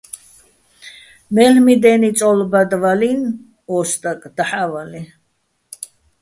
მელ'მი დენი წო́ლბადვალიჼი̆ ო სტაკ, დაჰ̦ა ვალიჼ.